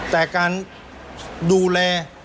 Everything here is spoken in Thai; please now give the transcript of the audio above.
แต่การดูแล